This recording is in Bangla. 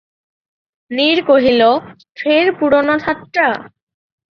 নীর কহিল, ফের পুরোনো ঠাট্টা?